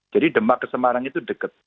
jadi demak ke semarang itu dekat